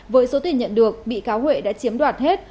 với số tiền nhận được bị cáo huệ đã chiếm đoạt hết